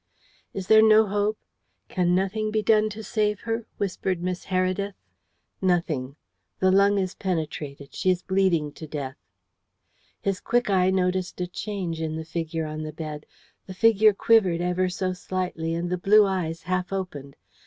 "Is there no hope? Can nothing be done to save her?" whispered Miss Heredith. "Nothing. The lung is penetrated. She is bleeding to death." His quick eye noticed a change in the figure on the bed. The face quivered ever so slightly, and the blue eyes half opened.